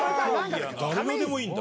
誰のでもいいんだ。